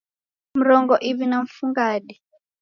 Mrongo iw'i na mfungade